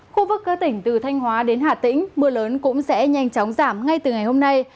khu vực các tỉnh từ thanh hóa đến hà tĩnh mưa lớn cũng sẽ nhanh chóng giảm ngay từ ngày hôm nay